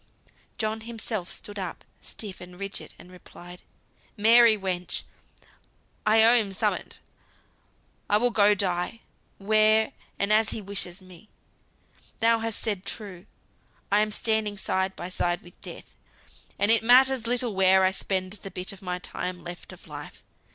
John himself stood up, stiff and rigid, and replied, "Mary, wench! I owe him summut. I will go die, where, and as he wishes me. Thou hast said true, I am standing side by side with Death; and it matters little where I spend the bit of time left of Life.